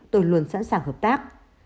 tôi luôn sẵn sàng hợp tác